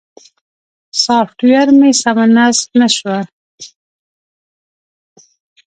سافټویر مې سمه نصب نه شوه.